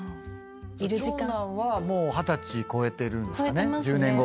長男はもう二十歳超えてるんですかね。